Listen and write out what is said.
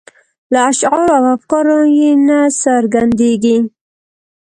له اشعارو او افکارو یې نه څرګندیږي.